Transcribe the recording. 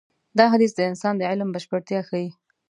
دا حديث د انسان د علم بشپړتيا ښيي.